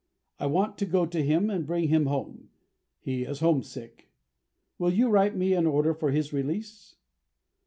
I want to go to him and bring him home. He is homesick. Will you write me an order for his release?"